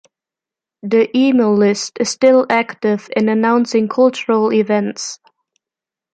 The email list is still active in announcing cultural events.